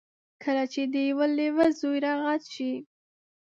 کله چې د لیوه زوی را غټ شي.